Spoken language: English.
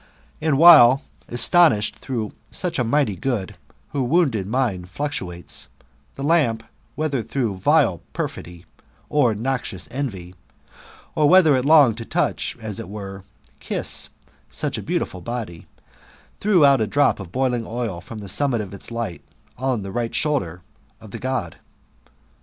But while, astonished through such a mighty good, her wounded mind iiuctuates, the lamp, whether through vile perfidy or noxious envy, or whether it longed to touch, and as it were kiss such a beautiful body, threw out a drop of boiling oil from Che summit of its light on the right shoulder of the God.